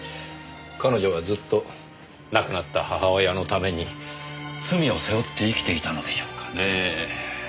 彼女はずっと亡くなった母親のために罪を背負って生きていたのでしょうかねぇ。